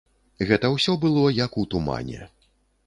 Гэта ўсё было як у тумане.